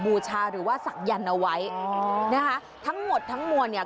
บูชาหรือว่าศักยันต์เอาไว้นะคะทั้งหมดทั้งมวลเนี่ย